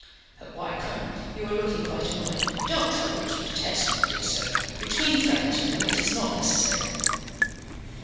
Why, Colonel, you are looking quite annoyed; don't trouble to protest, my dear sir; between friends, you know, it is not necessary."